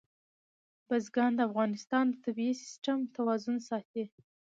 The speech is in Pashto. بزګان د افغانستان د طبعي سیسټم توازن ساتي.